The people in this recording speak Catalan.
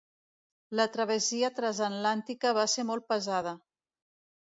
La travessia transatlàntica va ser molt pesada.